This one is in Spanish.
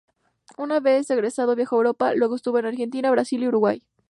Una vez egresado viajó a Europa, luego estuvo en Argentina, Brasil y Uruguay.